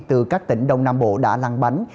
từ các tỉnh đông nam bộ đã lăn bánh